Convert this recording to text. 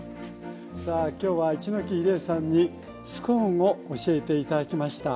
さあ今日は一ノ木理恵さんにスコーンを教えて頂きました。